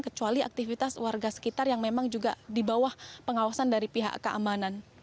kecuali aktivitas warga sekitar yang memang juga di bawah pengawasan dari pihak keamanan